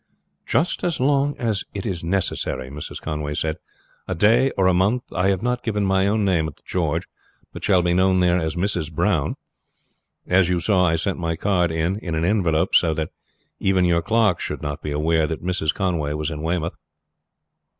"Just as long as it is necessary," Mrs. Conway said, "a day or a month. I have not given my own name at the 'George,' but shall be known there as Mrs. Brown. As you saw, I sent my card in in an envelope, so that even your clerk should not be aware that Mrs. Conway was in Weymouth."